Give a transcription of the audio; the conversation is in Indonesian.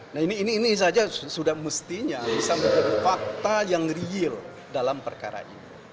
nah ini saja sudah mestinya bisa menjadi fakta yang real dalam perkara ini